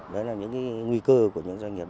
đó là những nguy cơ của những doanh nghiệp